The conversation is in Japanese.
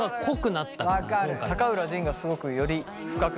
高浦仁がすごくより深くなったよね。